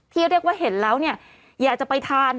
ที่จะเรียกว่าเห็นแล้วอย่าจะไปทาน